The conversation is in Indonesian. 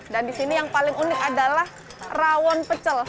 dan di sini yang paling unik adalah rawon pecel